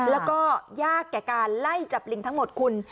แล้วก็ยากแก่การไล่จับลิงทั้งหมดคุณ